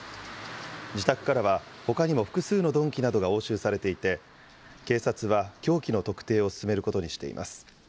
自宅からはほかにも複数の鈍器などが押収されていて、警察は凶器の特定を進めることにしています。